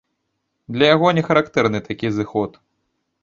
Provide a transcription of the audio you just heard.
Для яго не характэрны такі зыход.